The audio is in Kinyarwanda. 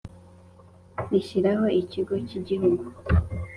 rishyiraho Ikigo cy Igihugu